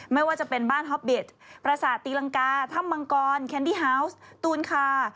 ไม่ว่าจะเป็นบ้านฮอปบิตประสาทตีลังกาถ้ำมังกรแคนดี้ฮาวส์ตูนคา